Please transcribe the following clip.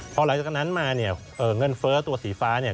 พอหลังจากนั้นมาเนี่ยเงินเฟ้อตัวสีฟ้าเนี่ย